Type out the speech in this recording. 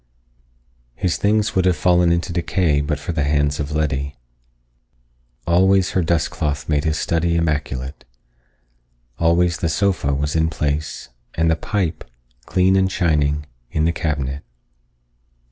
His things would have fallen into decay but for the hands of Letty. Always her dust cloth made his study immaculate. Always the sofa was in place and the pipe, clean and shining, in the cabinet.